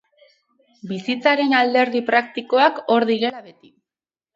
Bizitzaren alderdi praktikoak hor direla beti.